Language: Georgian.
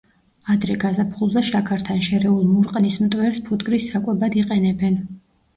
ადრე გაზაფხულზე შაქართან შერეულ მურყნის მტვერს ფუტკრის საკვებად იყენებენ.